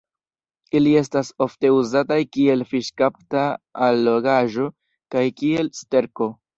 Ili estas ofte uzataj kiel fiŝkapta allogaĵo kaj kiel sterko.